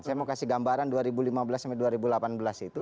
saya mau kasih gambaran dua ribu lima belas sampai dua ribu delapan belas itu